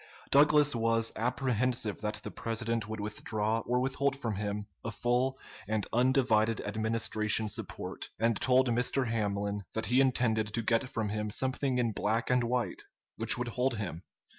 Douglas was apprehensive that the President would withdraw or withhold from him a full and undivided Administration support, and told Mr. Hamlin that he intended to get from him something in black and white which would hold him.